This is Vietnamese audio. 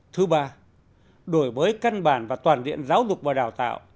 thứ ba đổi mới căn bản và toàn diện giáo dục và đào tạo